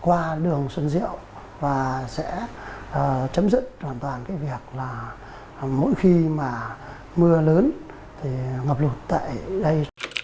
qua đường xuân diệu và sẽ chấm dứt hoàn toàn cái việc là mỗi khi mà mưa lớn thì ngập lụt tại đây